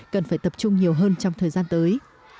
cần phải tập trung nhiều hơn trong thời gian tới